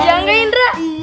iya gak indra